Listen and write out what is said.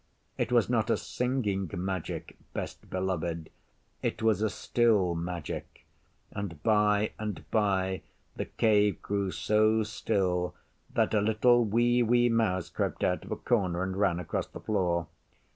It was not a Singing Magic, Best Beloved, it was a Still Magic; and by and by the Cave grew so still that a little wee wee mouse crept out of a corner and ran across the floor.